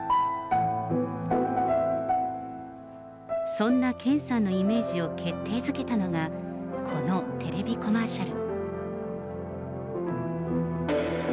そんな健さんのイメージを決定づけたのが、このテレビコマーシャル。